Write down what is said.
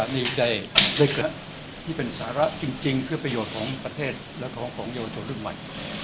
ดีใจได้เกิดที่เป็นสาระจริงเพื่อประโยชน์ของประเทศและของเยาวชนรุ่นใหม่